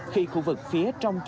khi khu vực phía trong chợ